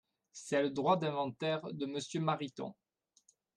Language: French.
C’est le droit d’inventaire de Monsieur Mariton